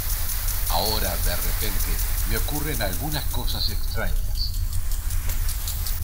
Ahora de repente me ocurren algunas cosas extrañas